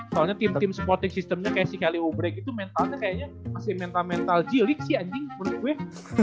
soalnya tim tim supporting system nya kayak si kelly o brieg itu mentalnya kayaknya masih mental mental jilik sih anjing menurut gue